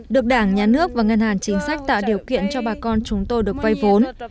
được đảng nhà nước và ngân hàng chính sách tạo điều kiện cho bà con chúng tôi được vay vốn